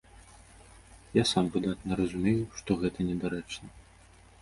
Я сам выдатна разумею, што гэта недарэчна.